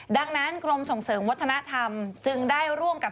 ดังนั้นกรมส่งเสริมวัฒนธรรมจึงได้ร่วมกับ